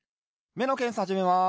めのけんさはじめます！